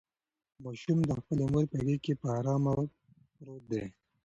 ماشوم د خپلې مور په غېږ کې په ارامه پروت دی.